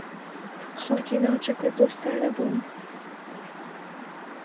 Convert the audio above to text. خەڵکی ناوچەکە دۆستانە بوون.